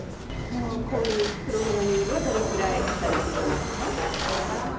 これ、プログラミングはどれぐらいされてるんですか？